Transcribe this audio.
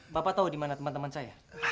bapak tahu dimana teman teman saya